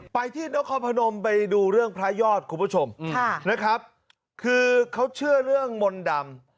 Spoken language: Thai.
ไปที่นครพนมไปดูเรื่องพระยอดคุณผู้ชมค่ะนะครับคือเขาเชื่อเรื่องมนต์ดำ